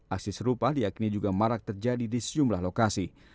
aksi serupa diakini juga marak terjadi di sejumlah lokasi